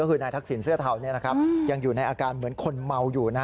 ก็คือนายทักษิณเสื้อเทายังอยู่ในอาการเหมือนคนเมาอยู่